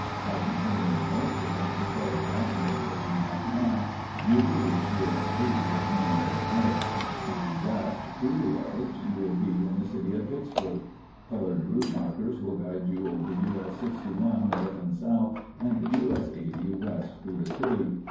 By continuing northward on Confederate Avenue for one half mile, you will reach U. S. 80 at Memorial Arch. Turning left, through the arch, you will be in the city of Vicksburg. Colored route markers will guide you over U. S. 61 north and south and U. S. 80 west through the city.